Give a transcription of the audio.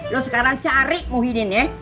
lo sekarang cari muhyiddin ya